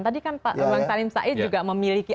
tadi kan pak bang salim said juga memiliki